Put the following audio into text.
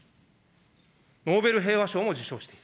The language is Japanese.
ノーベル平和賞も受賞した。